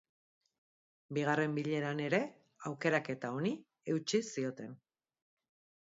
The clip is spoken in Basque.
Bigarren bileran ere, aukeraketa honi eutsi zioten.